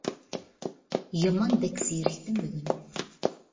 يامان بەك زېرىكتىم بۈگۈن!